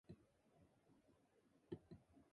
She was made of steel.